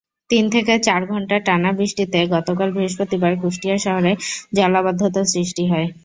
তিন থেকে চার ঘণ্টার টানা বৃষ্টিতে গতকাল বৃহস্পতিবার কুষ্টিয়া শহরে জলাবদ্ধতার সৃষ্টি হয়।